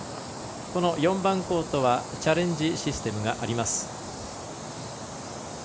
この４番コートはチャレンジシステムがあります。